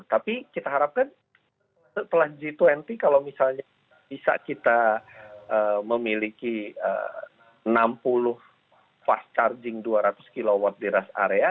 tapi kita harapkan setelah g dua puluh kalau misalnya bisa kita memiliki enam puluh fast charging dua ratus kw di rest area